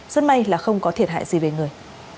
rất may là không có thiệt hại gì về người